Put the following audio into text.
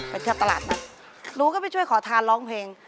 ไปเที่ยวตลาดนัดหนูก็ไปช่วยขอทานร้องเพลง